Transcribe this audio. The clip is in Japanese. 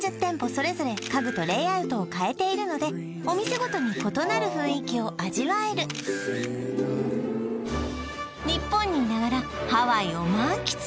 それぞれ家具とレイアウトを変えているのでお店ごとに異なる雰囲気を味わえる日本にいながらハワイを満喫